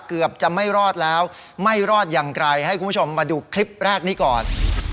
เกือบจะไม่รอดแล้วไม่รอดอย่างไรให้คุณผู้ชมมาดูคลิปแรกนี้ก่อน